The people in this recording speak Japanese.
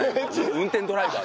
運転ドライバー。